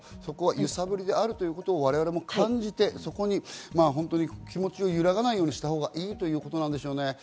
揺さぶりであるということを我々も感じて、気持ちが揺らがないようにしたほうがいいんですね。